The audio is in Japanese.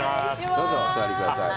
どうぞ、お座りください。